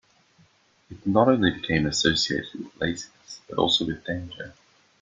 It not only became associated with laziness, but also with danger.